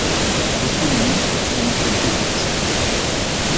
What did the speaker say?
We kunnen niet zonder dat debat.